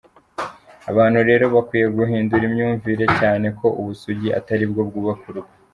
Abantu rero bakwiye guhindura imyumvire cyane ko ubusugi atari bwo bwubaka urugo.